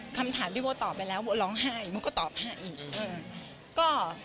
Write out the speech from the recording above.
คำถามที่โบตอบไปแล้วโบร้องไห้โบก็ตอบให้อีก